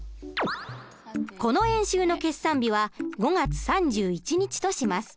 この演習の決算日は５月３１日とします。